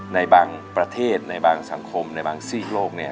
ในบางประเทศในบางสังคมในบางสิ่งโลกเนี้ย